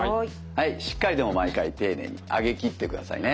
はいしっかりでも毎回丁寧に上げきってくださいね。